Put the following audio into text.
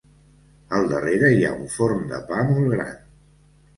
Al darrere hi ha un forn de pa molt gran.